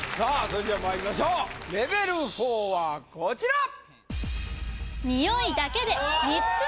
それではまいりましょうレベル４はこちら３つ？